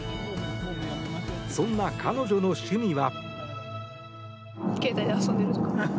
そんな彼女の趣味は。